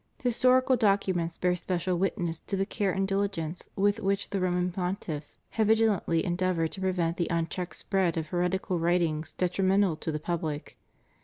Historical documents bear special witness to the care and diligence with which the Roman Pontiffs have vig ilantly endeavored to prevent the unchecked spread of heretical writings detrimental to the pubUc.